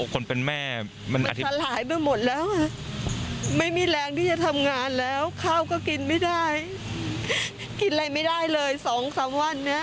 คนเป็นแม่มันสลายไปหมดแล้วไม่มีแรงที่จะทำงานแล้วข้าวก็กินไม่ได้กินอะไรไม่ได้เลย๒๓วันนี้